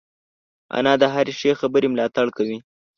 انا د هرې ښې خبرې ملاتړ کوي